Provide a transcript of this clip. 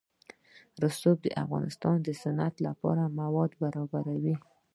رسوب د افغانستان د صنعت لپاره مواد برابروي.